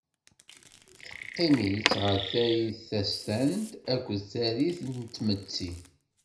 Teqqim-itt ɣer tarit tastant akked tarit n tmetti.